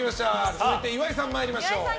続いて岩井さん、参りましょう。